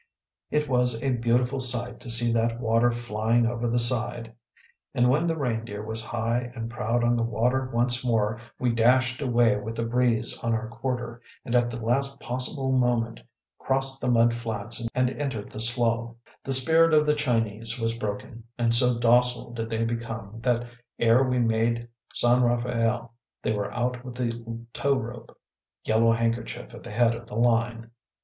It was a beautiful sight to see that water flying over the side! And when the Reindeer was high and proud on the water once more, we dashed away with the breeze on our quarter, and at the last possible moment crossed the mud flats and entered the slough. The spirit of the Chinese was broken, and so docile did they become that ere we made San Rafael they were out with the tow rope, Yellow Handkerchief at the head of the line.